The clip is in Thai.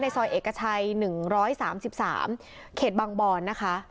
ซอยเอกชัย๑๓๓เขตบางบอนนะคะ